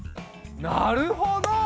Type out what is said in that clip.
なるほど！